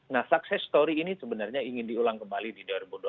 nah sukses story ini sebenarnya ingin diulang kembali di dua ribu dua puluh empat